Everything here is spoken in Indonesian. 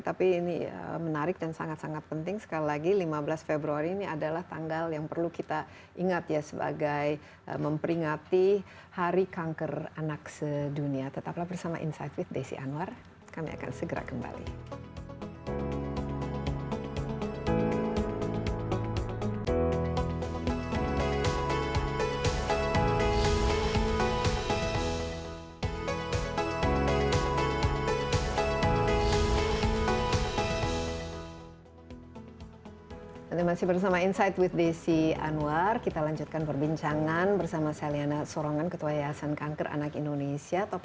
tapi ini menarik dan sangat sangat penting sekali lagi lima belas februari ini adalah tanggal yang perlu kita ingat ya sebagai memperingati hari kanker anak sedunia